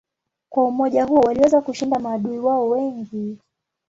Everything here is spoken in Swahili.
Kwa umoja huo waliweza kushinda maadui wao wengi.